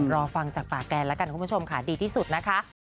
รอฟังจากปากแกนแล้วกันคุณผู้ชมค่ะดีที่สุดนะคะ